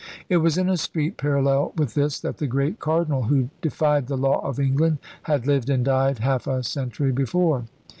It was in a street parallel with this that the great Cardinal who defied the law of England had lived and died half a century before.